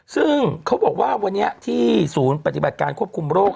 ซึ่งเขาบอกว่าวันนี้ที่ศูนย์ปฏิบัติการควบคุมโรค